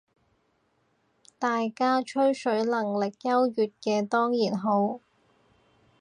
大家吹水能力優越嘅當然好